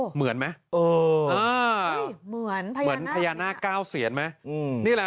เหมือนไหมเอออ่าเฮ้ยเหมือนพยานาคเก้าเซียนไหมอืมนี่แหละ